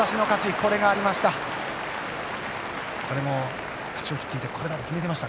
これがありました。